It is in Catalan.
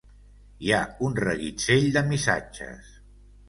Hi ha un reguitzell de missatges.